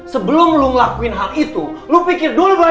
sebelum kamu melakukan hal itu kamu harus pikir baik baik